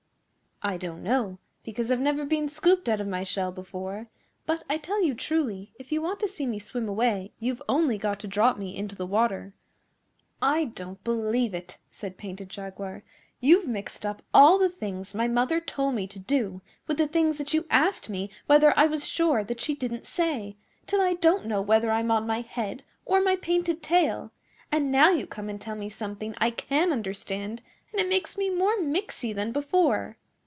'I don't know, because I've never been scooped out of my shell before; but I tell you truly, if you want to see me swim away you've only got to drop me into the water. 'I don't believe it,' said Painted Jaguar. 'You've mixed up all the things my mother told me to do with the things that you asked me whether I was sure that she didn't say, till I don't know whether I'm on my head or my painted tail; and now you come and tell me something I can understand, and it makes me more mixy than before.